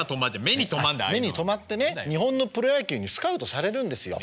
目に留まってね日本のプロ野球にスカウトされるんですよ。